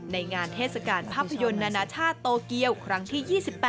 ในงานเทศกาลภาพยนตร์นานาชาติโตเกียวครั้งที่๒๘